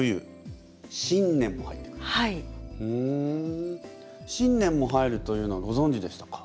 ふん新年も入るというのはごぞんじでしたか？